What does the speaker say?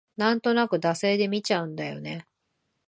なんとなく惰性で見ちゃうんだよね